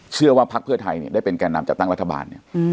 เชื่อว่าพักเพื่อไทยได้เป็นแก่นำจัดตั้งรัฐบาล